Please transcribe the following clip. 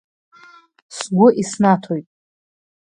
Сгәы иснаҭоит…